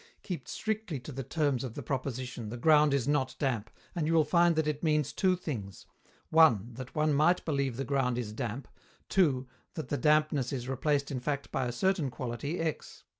Keep strictly to the terms of the proposition, "The ground is not damp," and you will find that it means two things: (1) that one might believe that the ground is damp, (2) that the dampness is replaced in fact by a certain quality x.